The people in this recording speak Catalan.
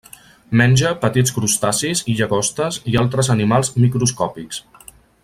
Menja petits crustacis i llagostes i altres animals microscòpics.